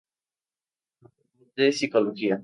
Facultad de Psicología.